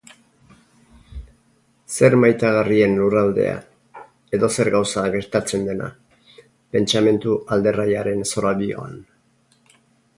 Zer maitagarrien lurraldea, edozer gauza gertatzen dena, pentsamendu alderraiaren zorabioan!